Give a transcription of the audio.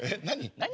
何？